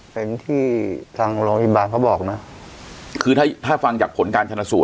เป็นที่ทางโรงพยาบาลเขาบอกนะคือถ้าถ้าฟังจากผลการชนะสูต